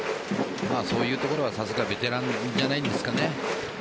そういうところはさすがベテランじゃないですかね。